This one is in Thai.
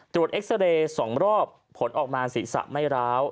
เอ็กซาเรย์๒รอบผลออกมาศีรษะไม่ร้าว